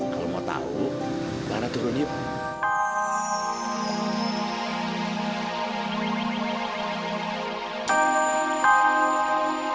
kalau mau tahu lara turun yuk